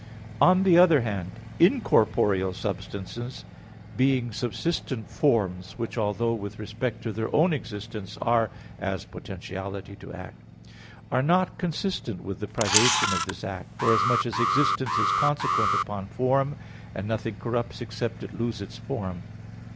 On the other hand incorporeal substances, being subsistent forms which, although with respect to their own existence are as potentiality to act, are not consistent with the privation of this act; forasmuch as existence is consequent upon form, and nothing corrupts except it lose its form.